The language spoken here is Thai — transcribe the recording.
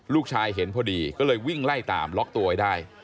ลูกชายเห็นพอดีก็เลยวิ่งไล่ตามล็อกตัวไว้ได้